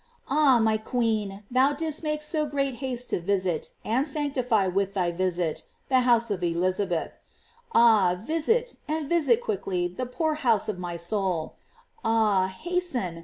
Ah, my queen, thou didst make so great haste to visit, and sanctify with thy visit, the house of Elizabeth; ah, visit, and visit quickly the poor house of my soul. Ah, hasten!